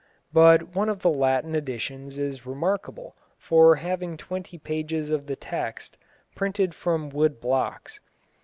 But one of the Latin editions is remarkable for having twenty pages of the text printed from wood blocks.